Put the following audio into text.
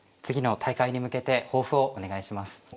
次の大会に向けて抱負をお願いします。